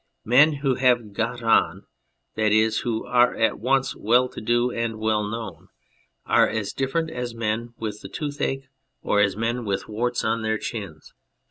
Men who have "got on," that is, who are at once well to do and well known, are as different as men with the toothache or as men with warts on their chins.